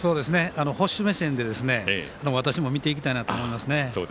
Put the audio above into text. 捕手目線で私も見ていきたいと思います。